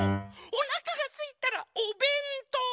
おなかがすいたら「おべんとう」！